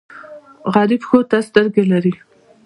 غریب د ښو ته سترګې لري